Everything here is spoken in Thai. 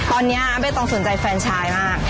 ตอนนี้ใบตองสนใจแฟนชายมาก